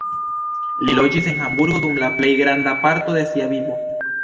Li loĝis en Hamburgo dum la plej granda parto de sia vivo.